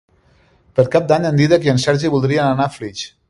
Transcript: Per Cap d'Any en Dídac i en Sergi voldrien anar a Flix.